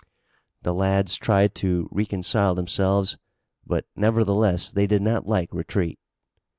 The lads tried to reconcile themselves, but nevertheless they did not like retreat.